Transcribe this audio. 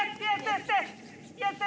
やった！